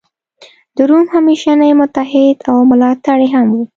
د روم همېشنی متحد او ملاتړی هم و.